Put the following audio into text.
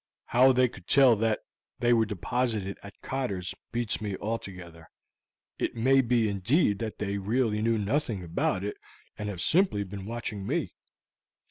How they could tell that they were deposited at Cotter's beats me altogether. It may be indeed that they really knew nothing about it, and have simply been watching me.